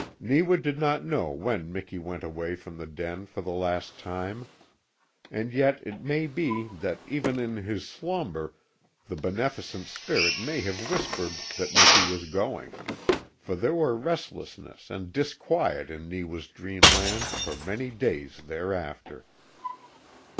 Neewa did not know when Miki went away from the den for the last time. And yet it may be that even in his slumber the Beneficent Spirit may have whispered that Miki was going, for there were restlessness and disquiet in Neewa's dreamland for many days thereafter.